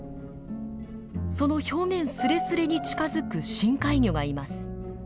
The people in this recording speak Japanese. その表面すれすれに近づく深海魚がいます。